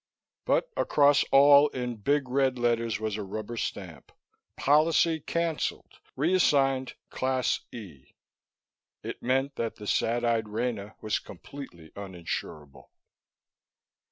But across all, in big red letters, was a rubber stamp: Policy Canceled. Reassigned Class E. It meant that the sad eyed Rena was completely uninsurable.